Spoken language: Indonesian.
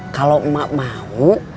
kalau emak mau